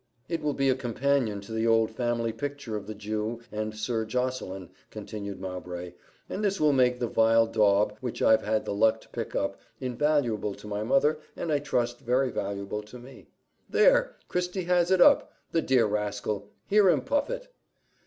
"It will be a companion to the old family picture of the Jew and Sir Josseline," continued Mowbray; "and this will make the vile daub, which I've had the luck to pick up, invaluable to my mother, and I trust very valuable to me." "There! Christie has it up! The dear rascal! hear him puff it!"